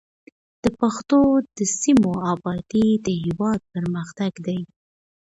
د پښتنو د سیمو ابادي د هېواد پرمختګ دی.